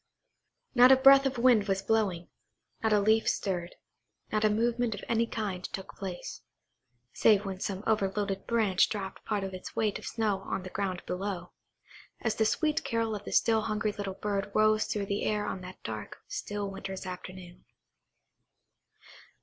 Not a breath of wind was blowing, not a leaf stirred; not a movement of any kind took place, save when some overloaded branch dropped part of its weight of snow on the ground below; as the sweet carol of the still hungry little bird rose through the air on that dark, still winter's afternoon.